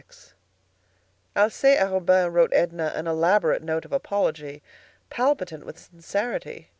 XXVI Alcée Arobin wrote Edna an elaborate note of apology, palpitant with sincerity.